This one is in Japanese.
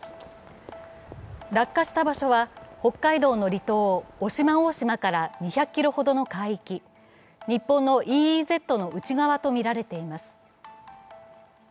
落下した場所は北海道の離党渡島大島から２００ｋｍほどの海域、日本のＥＥＺの内側とみられています。